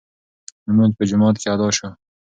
لمونځ په جومات کې ادا شو.